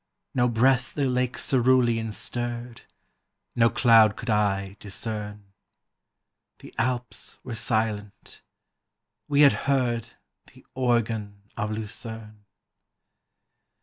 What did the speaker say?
No breath the lake cerulean stirred ; Xo cloud could eye discern ; The Alps were silent : we had heard The Organ of Lucerne.